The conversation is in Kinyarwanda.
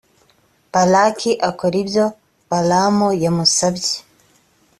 balaki akora ibyo balamu yamusabye.